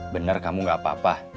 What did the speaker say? benar kamu gak apa apa